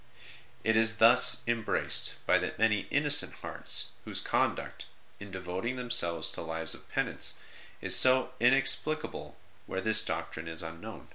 It is thus embraced by the many innocent hearts whose conduct, in devoting themselves to lives of penance, is so inexplicable where this doctrine is unknown.